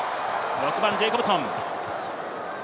６番のジェイコブソン。